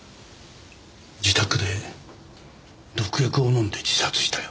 自宅で毒薬を飲んで自殺したよ。